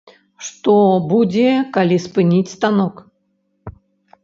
Што будзе, калі спыніць станок?